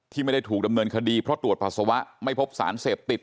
ไม่ได้ถูกดำเนินคดีเพราะตรวจปัสสาวะไม่พบสารเสพติด